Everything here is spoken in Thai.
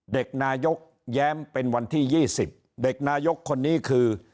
เด็กนายกแย้มเป็นวันที่๒๐เด็กนายกคนนี้คือ